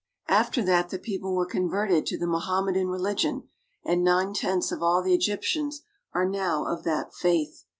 " After that the people were converted to the Mohamme dan religion, and nine tenths of all the Egyptians are now of that faith.